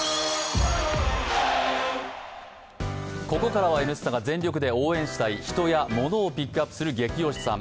ここからは「Ｎスタ」が全力で応援したい人をピックアップする「ゲキ推しさん」